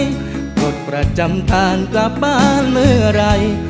หมดประจำทางกลับบ้านเมื่อไหร่